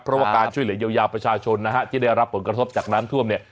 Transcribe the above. เพราะว่าการช่วยเหลือเยียวยาประชาชนนะฮะที่ได้รับผลกระทบจากน้ำท่วมเนี่ย